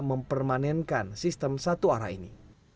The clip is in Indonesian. mempermanenkan sistem satu arah ini